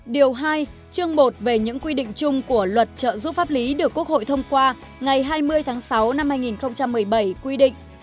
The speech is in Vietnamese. điều hai chương một về những quy định chung của luật trợ giúp pháp lý được quốc hội thông qua ngày hai mươi tháng sáu năm hai nghìn một mươi bảy quy định